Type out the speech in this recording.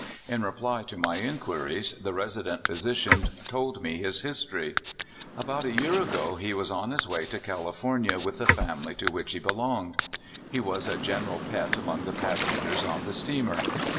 In reply to my inquiries, the resident physician told me his his tory: '* About a year ago he was on his way to Cali fornia with the family to which he belonged. He was a general pet among the passengers on the steamer.